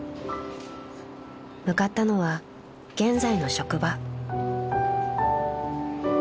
［向かったのは現在の職場］